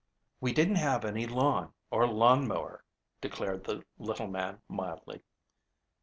"We didn't have any lawn or lawn mower," declared the little man mildly.